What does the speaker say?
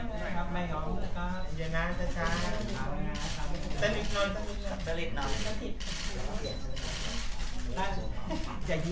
อย่าน่าจะจ้างแต่นิดนึงตัดผลิตหน่อย